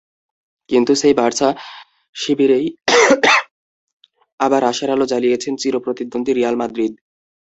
কিন্তু সেই বার্সা শিবিরেই আবার আশার আলো জ্বালিয়েছে চিরপ্রতিদ্বন্দ্বী রিয়াল মাদ্রিদ।